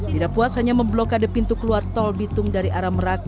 tidak puas hanya memblokade pintu keluar tol bitung dari arah merak